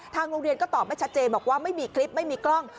โรงเรียนก็ตอบไม่ชัดเจนบอกว่าไม่มีคลิปไม่มีกล้อง